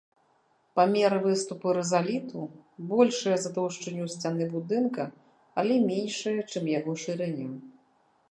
Памеры выступу рызаліту большыя за таўшчыню сцяны будынка, але меншыя, чым яго шырыня.